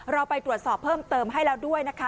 เราไปตรวจสอบเพิ่มเติมให้แล้วด้วยนะคะ